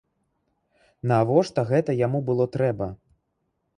Навошта гэта яму было трэба?